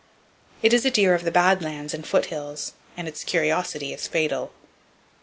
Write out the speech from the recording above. It is a deer of the bad lands and foothills, and its curiosity is fatal.